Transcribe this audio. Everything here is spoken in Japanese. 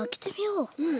うん。